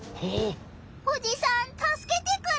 おじさんたすけてくれ！